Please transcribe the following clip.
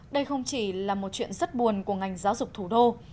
đây không chỉ là một chuyện rất buồn của ngành giáo dục thủ đô